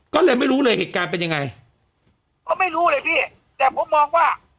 ก็เลยไม่รู้เลยเหตุการณ์เป็นยังไงก็ไม่รู้เลยพี่แต่ผมมองว่า